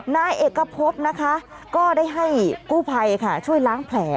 นายเอกพบนะคะก็ได้ให้กู้ภัยค่ะช่วยล้างแผล